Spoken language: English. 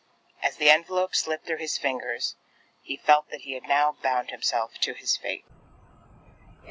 As the envelope slipped through his fingers, he felt that he had now bound himself to his fate.